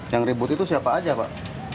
yang ribut itu siapa aja pak